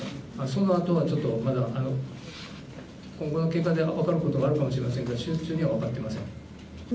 その後はまだ今後の経過で分かることがあるかもしれませんが処置中には分かっていません。